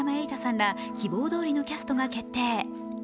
ら希望どおりのキャストが決定